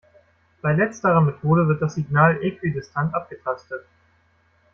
Bei letzterer Methode wird das Signal äquidistant abgetastet.